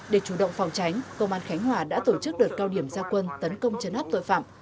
để chủ động phòng tránh công an khánh hòa đã tổ chức đợt cao điểm gia quân tấn công chấn áp tội phạm